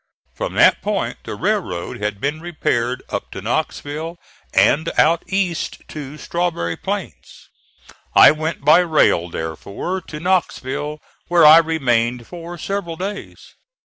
From that point the railroad had been repaired up to Knoxville and out east to Strawberry Plains. I went by rail therefore to Knoxville, where I remained for several days.